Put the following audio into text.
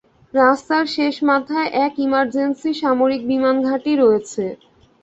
রাস্তার শেষ মাথায় এক ইমার্জেন্সি সামরিক বিমান ঘাঁটি রয়েছে।